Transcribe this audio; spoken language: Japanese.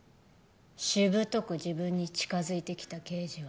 「しぶとく自分に近づいてきた刑事は」